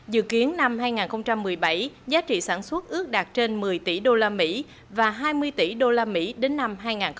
dự kiến năm hai nghìn một mươi bảy giá trị sản xuất ước đạt trên một mươi tỷ usd và hai mươi tỷ usd đến năm hai nghìn hai mươi